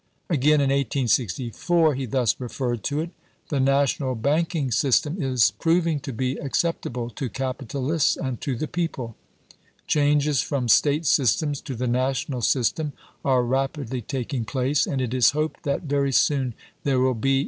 Again, in 1864, he thus referred to it : The national banking system is proving to be accept able to capitalists and to the people. .. Changes from State systems to the national system are rapidly taking place, and it is hoped that very soon there will be in the 244 AJBEAHAM LINCOLN Chap.